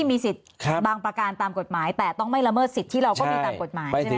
มีสิทธิ์บางประการตามกฎหมายแต่ต้องไม่ละเมิดสิทธิ์ที่เราก็มีตามกฎหมายใช่ไหม